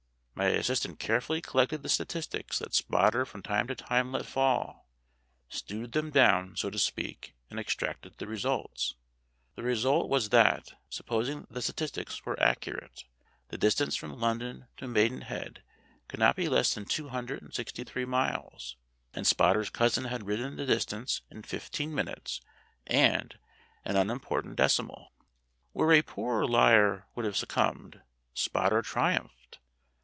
My assistant carefully collected the statistics that Spotter from time to time let fall, stewed them down, so to speak, and extracted the result. The result was that supposing the statistics were accurate the distance from London to Maidenhead could not be less than two hundred and sixty three miles, and Spotter's cousin had ridden this distance in fifteen minutes and an unimportant decimal. Where a poorer liar would have succumbed, Spotter triumphed.